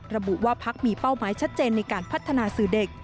ระบุว่าพักมีเป้าหมายชัดเจนในการพัฒนาสื่อเด็ก